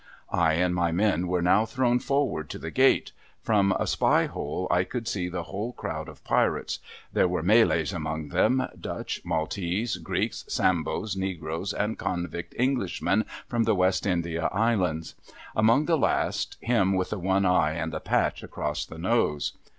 I and my men were now thrown forward to the gate. From a spy hole, I could see the whole crowd of Pirates. There were Malays among them, Dutch, Maltese, Greeks, Sambos, Negroes, and Convict Englishmen from the West India Islands ; among the last, him with the one eye and the patch across the nose.